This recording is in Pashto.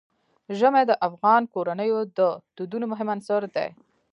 ژمی د افغان کورنیو د دودونو مهم عنصر دی.